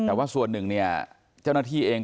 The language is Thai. แต่ว่าส่วนหนึ่งเนี่ยเจ้าหน้าที่เอง